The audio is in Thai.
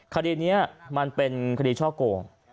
คดีนี้มันเป็นคดีช่อโกง